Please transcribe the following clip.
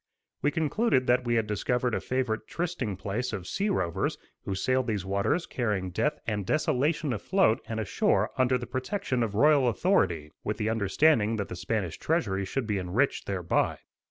We concluded that we had discovered a favorite trysting place of sea rovers who sailed these waters carrying death and desolation afloat and ashore under the protection of royal authority, with the understanding that the Spanish treasury should be enriched thereby.